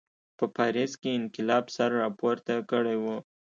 په پاریس کې انقلاب سر راپورته کړی و.